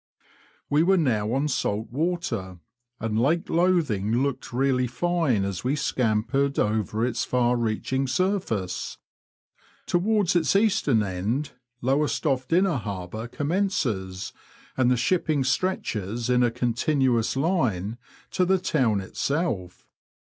We were now on salt water, and Lake Lothing looked really fine as we scampered over its far reaching surface. Towards its eastern end Lowestoft Inner Harbour commences, and the shipping stretches in a continuous line to the town itself.